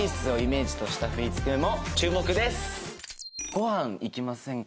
「ご飯行きませんか？」